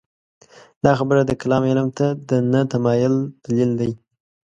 دا خبره د کلام علم ته د نه تمایل دلیل دی.